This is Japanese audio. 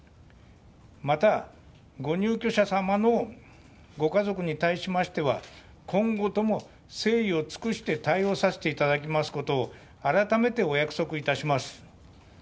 また、ご入居者様のご家族に対しましては今後とも誠意を尽くして対応させていただきますことを、改めてお約束いたします。